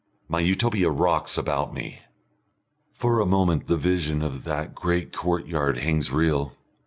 My Utopia rocks about me. For a moment the vision of that great courtyard hangs real.